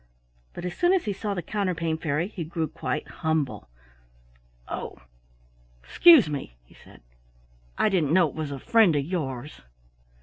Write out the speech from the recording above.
But as soon as he saw the Counterpane Fairy he grew quite humble. "Oh, excuse me," he said. "I didn't know it was a friend of yours."